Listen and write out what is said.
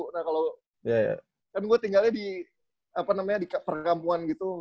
nah kalau kan gue tinggalnya di apa namanya di perkampuan gitu